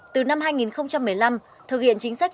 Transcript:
từ năm hai nghìn một mươi năm thực hiện chính sách